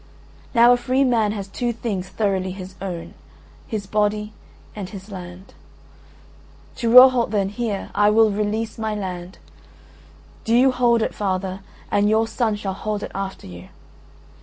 Now a free man has two things thoroughly his own, his body and his land. To Rohalt then, here, I will release my land. Do you hold it, father, and your son shall hold it after you.